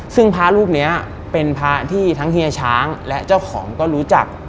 ซึ่งพระรูปนี้เป็นพระที่ทั้งเฮียช้างและเจ้าของก็รู้จัก